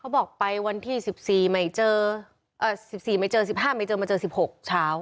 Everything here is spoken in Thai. เขาบอกไปวันที่๑๔ไม่เจอ๑๕ไม่เจอมาเจอ๑๖เช้า